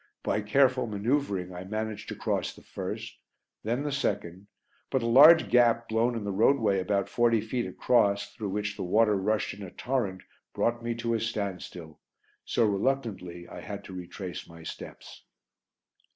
By careful manoeuvring I managed to cross the first, then the second, but a large gap blown in the roadway about forty feet across, through which the water rushed in a torrent, brought me to a standstill, so reluctantly I had to retrace my steps.